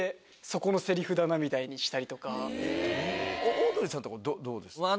オードリーさんどうですか？